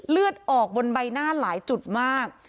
เลือดออกบนใบหน้าหลายจุดมาก